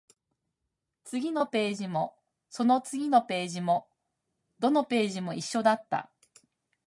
次のページも、その次のページも、どのページも一緒だった